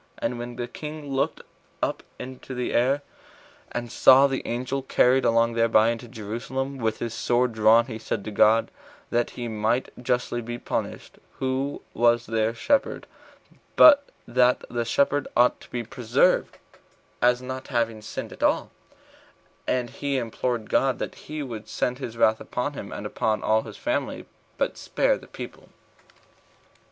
And when the king looked up into the air, and saw the angel carried along thereby into Jerusalem, with his sword drawn, he said to God, that he might justly be punished, who was their shepherd, but that the sheep ought to be preserved, as not having sinned at all; and he implored God that he would send his wrath upon him, and upon all his family, but spare the people.